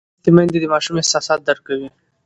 لوستې میندې د ماشوم احساسات درک کوي.